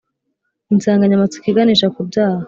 insanganyamatsiko iganisha ku byaha